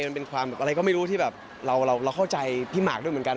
มันเป็นความอะไรก็ไม่รู้ที่แบบเราเข้าใจพี่หมากด้วยเหมือนกัน